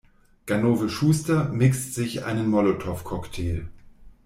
Ganove Schuster mixt sich einen Molotow-Cocktail.